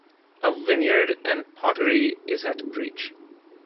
A vineyard and pottery is at Breach.